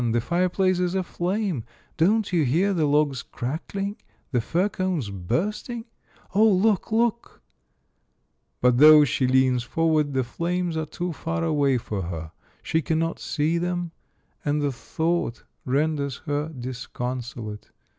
The fireplace is aflame ! Don't you hear the logs crackling, the fir cones bursting? — Oh, look, look !" But though she leans forward, the flames are too far away for her ; she cannot see them, and the thought renders her disconsolate.